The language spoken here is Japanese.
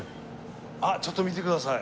あっちょっと見てください。